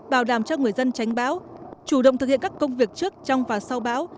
bảo đảm cho người dân tránh bão chủ động thực hiện các công việc trước trong và sau bão